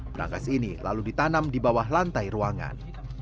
berangkas ini lalu ditanam di bawah lantai ruangan